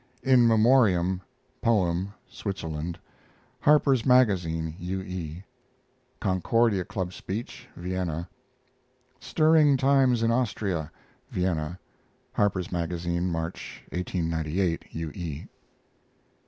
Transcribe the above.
IN MEMORIAM poem (Switzerland) Harper's Magazine. U. E. Concordia Club speech (Vienna). STIRRING TIMES IN AUSTRIA (Vienna) Harper's Magazine, March, 1898. U. E.